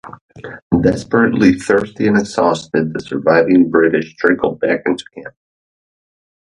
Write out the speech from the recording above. Desperately thirsty and exhausted, the surviving British trickled back into camp.